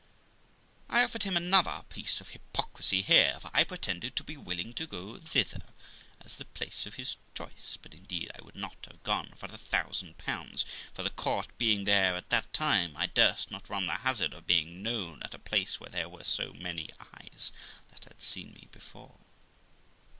I offered him another piece of hypocrisy here, for I pretended to be willing to go thither, as the place of his choice, but indeed I would not have gone for a thousand pounds ; for the court being there at that time, I durst not run the hazard of being known at a place where there were so many eyes that had seen me before.